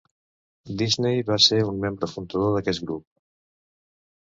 Disney va ser un membre fundador d'aquest grup.